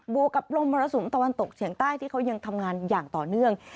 วกกับลมมรสุมตะวันตกเฉียงใต้ที่เขายังทำงานอย่างต่อเนื่อง